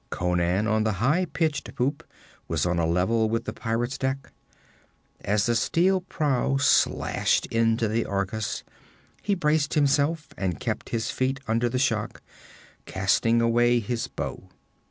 Conan, on the high pitched poop, was on a level with the pirate's deck. As the steel prow slashed into the Argus, he braced himself and kept his feet under the shock, casting away his bow.